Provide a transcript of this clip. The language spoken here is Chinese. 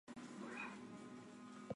建立这种关系的人称为拟亲属。